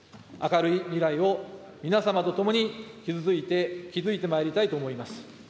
明るい未来を皆様と共に築いてまいりたいと思います。